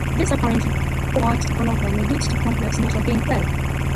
This apparently quiet development may lead to complex middlegame play.